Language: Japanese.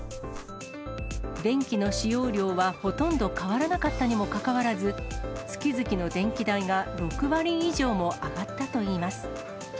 電気の使用量はほとんど変わらなかったにもかかわらず、月々の電気代が６割以上も上がったといいます。